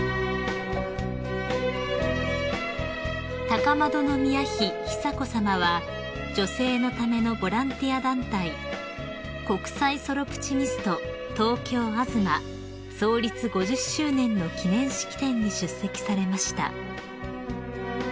［高円宮妃久子さまは女性のためのボランティア団体国際ソロプチミスト東京−東創立５０周年の記念式典に出席されました］